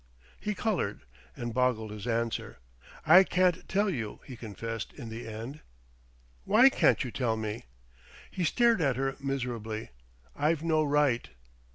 He coloured, and boggled his answer.... "I can't tell you," he confessed in the end. "Why can't you tell me?" He stared at her miserably.... "I've no right...."